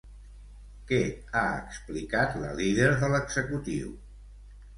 Què ha explicat la líder de l'executiu?